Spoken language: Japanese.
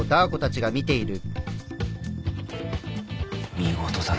見事だな。